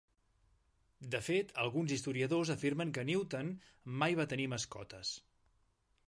De fet, alguns historiadors afirmen que Newton mai va tenir mascotes.